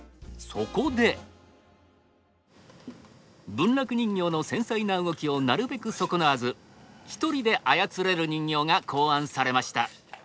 文楽人形の繊細な動きをなるべく損なわず一人であやつれる人形が考案されました。